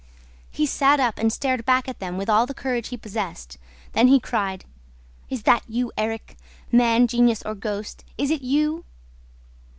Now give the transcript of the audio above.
He sat up and stared back at them with all the courage he possessed. Then he cried: "Is that you, Erik? Man, genius, or ghost, is it you?"